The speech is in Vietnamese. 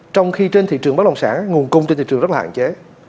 trong khi trên thị trường bác lộng sản nguồn cung trên thị trường rất là hạn chế